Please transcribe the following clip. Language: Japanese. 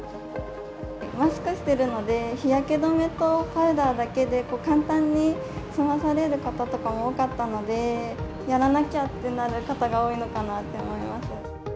マスクしているので、日焼け止めとパウダーだけで簡単に済まされる方とかも多かったので、やらなきゃってなる方が多いのかなって思います。